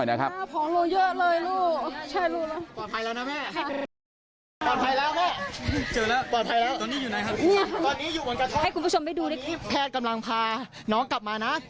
ให้คุณผู้ชมได้ดูที่แพทย์กำลังพาน้องกลับมานะ